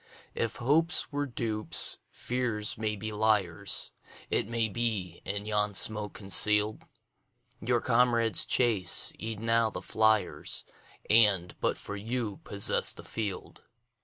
If hopes were dupes, fears may be liars; It may be, in yon smoke conceal'd, Your comrades chase e'en now the fliers, And, but for you, possess the field.